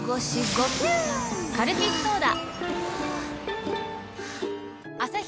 カルピスソーダ！